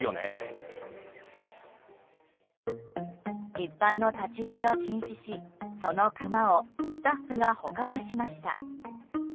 一般の立ち入りを禁止しそのクマをスタッフが捕獲しました。